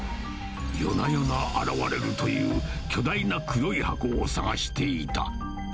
夜な夜な現れるという巨大な黒い箱を探していた。